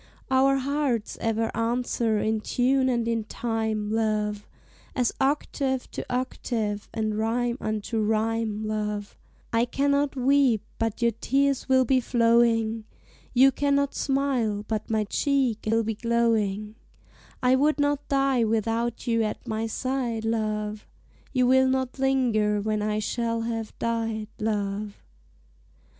Our hearts ever answer in tune and in time, love, As octave to octave, and rhyme unto rhyme, love: I cannot weep but your tears will be flowing, You cannot smile but my cheek will be glowing; I would not die without you at my side, love, You will not linger when I shall have died, love.